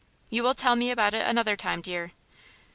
"You will tell me about it another time, dear."